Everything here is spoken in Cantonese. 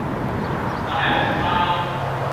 奶皇包